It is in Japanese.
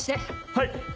はい！